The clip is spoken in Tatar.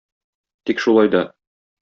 Тик шулай да...